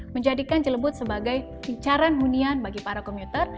menjadikan celebut sebagai pincaran hunian bagi para komuter